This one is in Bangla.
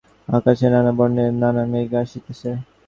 আকাশে নানাবর্ণের নানা মেঘ আসিতেছে।